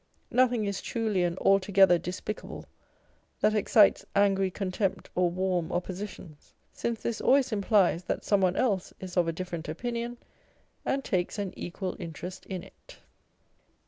Nothing is truly and altogether despicable that excites angry con tempt or warm opposition, since this always implies that some one else is of a different opinion, and takes an equal interest in it.